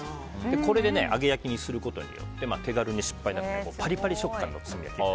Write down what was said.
これで揚げ焼きにすることによって手軽に失敗なくパリパリ食感で。